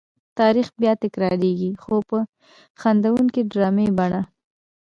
تاریخ بیا تکرارېږي خو په خندوونکې ډرامې بڼه.